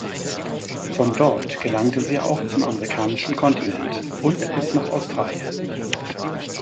Von dort gelangte sie auch zum amerikanischen Kontinent und bis nach Australien.